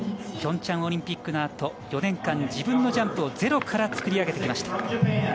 平昌オリンピックのあと４年間自分のジャンプをゼロから作り上げてきました。